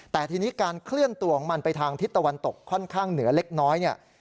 แต่ทีนี้การเคลื่อนตัวของมันไปทางทิศตะวันตกค่อนข้างเหนือเล็กน้อยเนี่ย